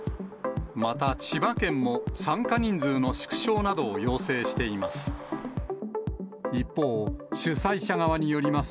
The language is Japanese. また千葉県も、参加人数の縮小などを要請しています。